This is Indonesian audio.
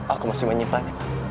aku masih menyimpan